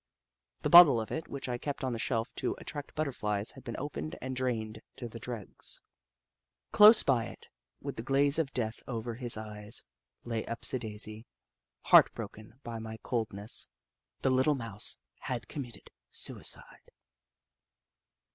The bottle of it which I kept on the shelf to at tract butterflies had been opened and drained to the dregs. Close by it, with the glaze of death over his bright eyes, lay Upsidaisi. Heart broken by my coldness, the little Mouse had committed suicide.